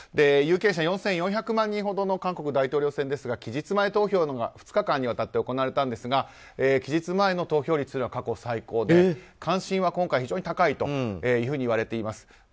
有権者４４００万人ほどの韓国大統領選ですが期日前投票が２日間にわたって行われたんですが期日前の投票率は過去最高で関心は今回非常に高いといわれています。